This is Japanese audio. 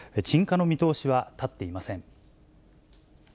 鎮火の見通しは立っていません。